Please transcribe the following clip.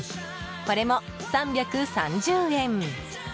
これも３３０円。